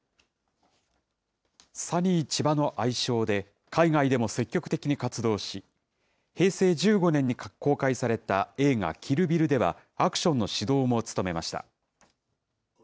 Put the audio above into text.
サニー・チバの愛称で、海外でも積極的に活動し、平成１５年に公開された映画、キル・ビルではアクションの指導も務めました。